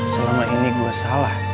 selama ini gua salah